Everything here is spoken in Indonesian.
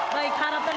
baik harap tenang